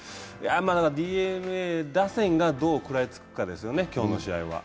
まだＤｅＮＡ打線がどう食らいつくかですね、今日の試合は。